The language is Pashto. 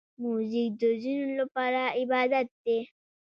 موزیک د ځینو لپاره عبادت دی.